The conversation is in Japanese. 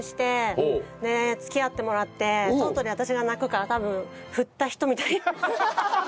付き合ってもらって外で私が泣くから多分振った人みたいに。